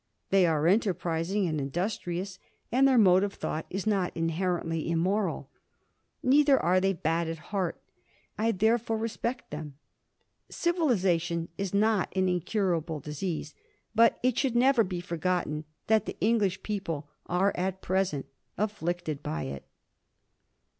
They are enterprising and industrious and their mode of thought is not inherently immoral. Neither are they bad at heart. I, therefore, respect them. Civilization is not an incurable disease, but it should never be forgotten that the English people are at present afflicted by it.